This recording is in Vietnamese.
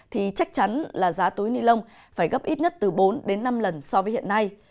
thì chắc chắn là giá túi ni lông phải gấp ít nhất từ bốn đến năm lần so với hiện nay